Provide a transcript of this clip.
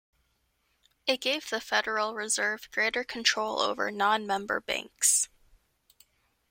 It gave the Federal Reserve greater control over non-member banks.